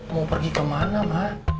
mau pergi kemana mak